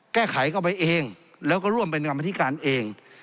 แก้ไขเข้าไปเองแล้วก็ร่วมไปยั่งบัณฑิการเอง